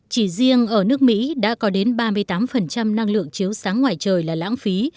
chỉ riêng ở nước mỹ đã có đến ba mươi tám năng lượng chiếu sáng ngoài trời là lãng phí